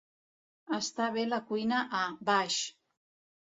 Està bé la cuina a baix.